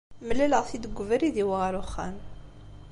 Mlaleɣ-t-id deg ubrid-iw ɣer uxxam.